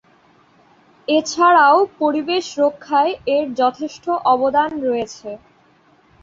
এছাড়াও পরিবেশ রক্ষায় এর যথেষ্ট অবদান রয়েছে।